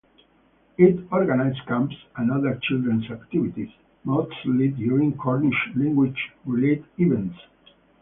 It organised camps and other children's activities, mostly during Cornish Language related events.